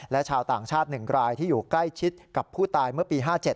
และชาวต่างชาติ๑รายที่อยู่ใกล้ชิดกับผู้ตายเมื่อปี๕๗